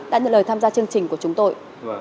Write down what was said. đã nhận lời tham gia chương trình của chúng tôi